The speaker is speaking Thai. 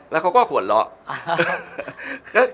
แล้วเขาก็ขวดหลอก